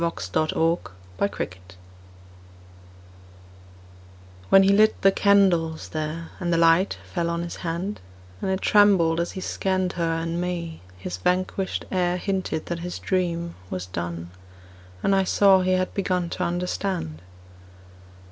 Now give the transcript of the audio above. THE YOUNG CHURCHWARDEN WHEN he lit the candles there, And the light fell on his hand, And it trembled as he scanned Her and me, his vanquished air Hinted that his dream was done, And I saw he had begun To understand.